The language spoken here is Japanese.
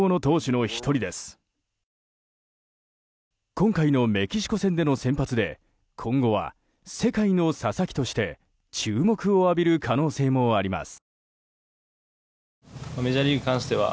今回のメキシコ戦での先発で今後は世界の佐々木として注目を浴びる可能性もあります。